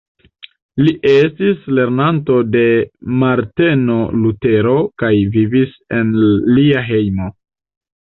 Li estis lernanto de Marteno Lutero kaj vivis en lia hejmo.